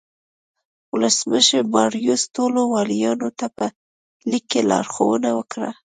ولسمشر باریوس ټولو والیانو ته په لیک کې لارښوونه وکړه.